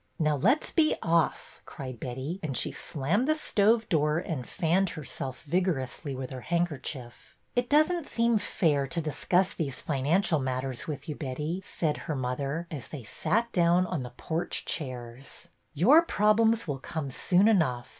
" Now, let 's be off," cried Betty, and she slammed the stove door and fanned herself vig orously with her handkerchief. " It does n't seem fair to discuss these financial matters with you, Betty," said her mother, as they sat down on the porch chairs. " Your prob lems will come soon enough.